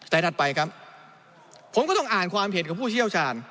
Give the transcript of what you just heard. แต่ถัดไปครับผมก็ต้องอ่านความเห็นกับผู้เชี่ยวชาญ